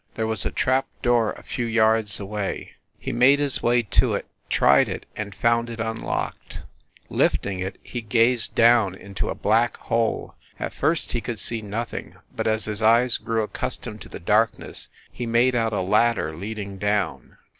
There was a trap door a few yards away. He made his way to it, tried it, and found it un locked. Lifting it, he gazed down into a black hole. At first he could see nothing, but as his eyes grew accustomed to the darkness he made out a ladder leading down.